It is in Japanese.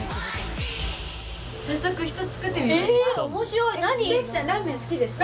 早速１つ作ってみますか。